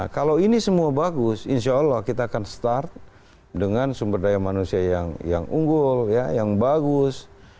kalau ini semua bagus insya allah kita akan start dengan sumber daya manusia yang unggul yang bagus